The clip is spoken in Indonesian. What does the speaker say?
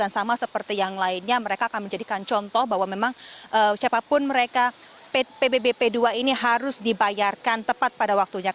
dan sama seperti yang lainnya mereka akan menjadikan contoh bahwa memang siapapun mereka pbbp dua ini harus dibayarkan tepat pada waktunya